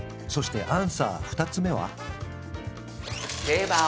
そしてアンサー２つ目は？